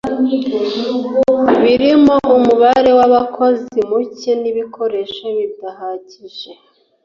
birimo umubare w’abakozi mucye n’ibikoresho bidahagije